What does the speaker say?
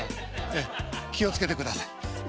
ええ気を付けてください。